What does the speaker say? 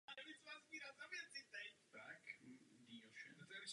Poté kariéru závodníka přerušil a sloužil v československé armádě.